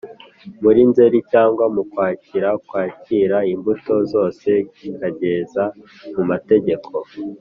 muri Nzeri cyangwa mu Kwakira kwakira imbuto zose kikageza mumategeko